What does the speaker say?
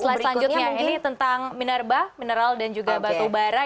selanjutnya ini tentang minerba mineral dan juga batubara